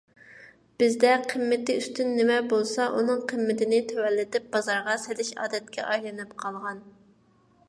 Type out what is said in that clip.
بىزدە قىممىتى ئۈستۈن نېمە بولسا ئۇنىڭ قىممىتىنى تۆۋەنلىتىپ بازارغا سېلىش ئادەتكە ئايلىنىپ قالغان.